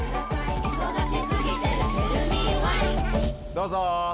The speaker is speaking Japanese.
どうぞ。